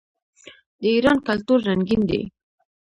د ایران کلتور رنګین دی.